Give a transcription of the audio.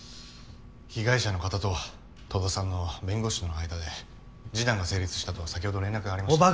被害者の方と戸田さんの弁護士の間で示談が成立したと先ほど連絡がありました。